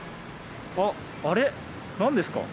あっあれ何ですか？